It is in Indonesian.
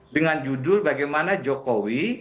dengan judul bagaimana jokowi